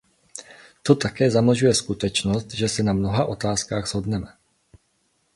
To také zamlžuje skutečnost, že se na mnoha otázkách shodneme.